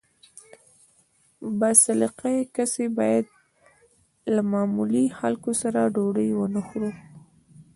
با سلیقه کس باید له معمولي خلکو سره ډوډۍ ونه خوري.